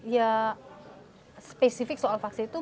ya spesifik soal vaksin itu